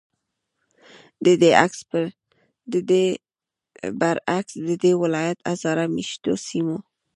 ددې برعکس، ددې ولایت هزاره میشتو سیمو